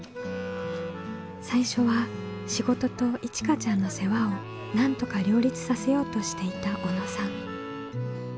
最初は仕事といちかちゃんの世話をなんとか両立させようとしていた小野さん。